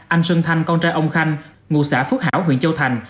anh sơn thanh con trai ông khanh ngồi xã phước hảo huyện châu thành